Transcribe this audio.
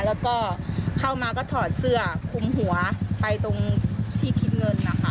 แล้วก็เข้ามาก็ถอดเสื้อคุมหัวไปตรงที่คิดเงินนะคะ